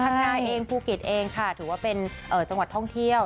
นาเองภูเก็ตเองค่ะถือว่าเป็นจังหวัดท่องเที่ยว